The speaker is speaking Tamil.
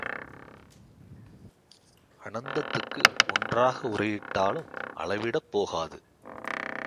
அனந்தத்துக்கு ஒன்றாக உறையிட்டாலும் அளவிடப் போகாது.